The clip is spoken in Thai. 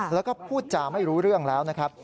แล้วก็พูดจาไม่รู้เรื่องแล้วนะครับ